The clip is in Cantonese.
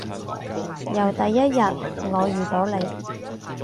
由第一日我遇到你